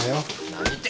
何言って。